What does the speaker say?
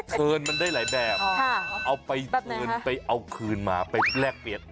เชิญมันได้หลายแบบเอาไปเชิญไปเอาคืนมาไปแลกเปลี่ยน